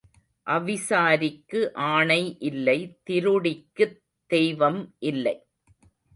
அவிசாரிக்கு ஆணை இல்லை திருடிக்குத் தெய்வம் இல்லை.